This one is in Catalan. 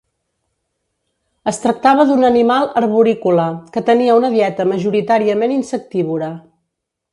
Es tractava d'un animal arborícola que tenia una dieta majoritàriament insectívora.